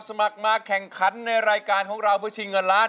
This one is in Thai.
สมัครมาแข่งขันในรายการของเราเพื่อชิงเงินล้าน